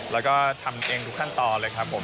แล้วก็ทำเองทุกขั้นตอนเลยครับผม